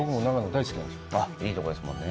いいところですもんね。